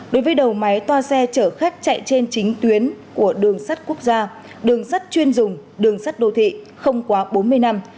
đối với đầu máy toa xe chở khách chạy trên chính tuyến của đường sắt quốc gia đường sắt chuyên dùng đường sắt đô thị không quá bốn mươi năm